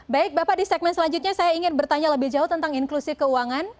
baik bapak di segmen selanjutnya saya ingin bertanya lebih jauh tentang inklusi keuangan